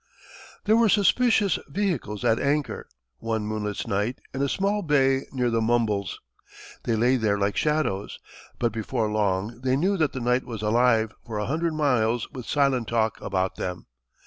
There were suspicious vessels at anchor, one moonless night, in a small bay near the Mumbles. They lay there like shadows, but before long they knew that the night was alive for a hundred miles with silent talk about them.